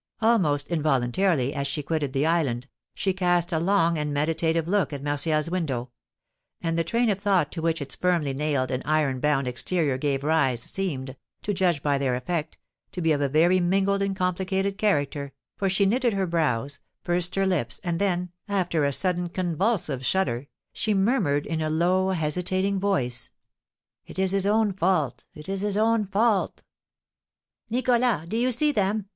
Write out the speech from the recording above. Almost involuntarily, as she quitted the island, she cast a long and meditative look at Martial's window; and the train of thought to which its firmly nailed and iron bound exterior gave rise seemed, to judge by their effect, to be of a very mingled and complicated character, for she knitted her brows, pursed her lips, and then, after a sudden convulsive shudder, she murmured, in a low hesitating voice: "It is his own fault it is his own fault!" "Nicholas, do you see them?